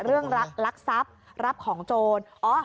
เรื่องรักทรัพย์รับของโจร